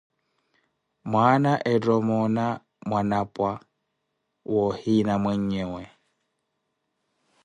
Mwaana ettha omoona mwanapwa, woohina mweenyewe.